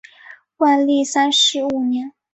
万历三十五年。